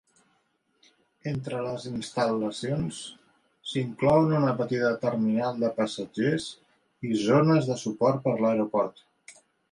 Entre les instal·lacions s'inclouen una petita terminal de passatgers i zones de suport per a l'aeroport.